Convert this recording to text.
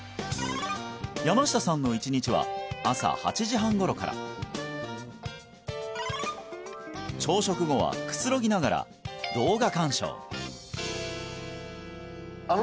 山下さんの１日は朝８時半頃から朝食後はくつろぎながら動画鑑賞